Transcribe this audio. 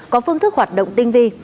có phương thức hoạt động tinh vi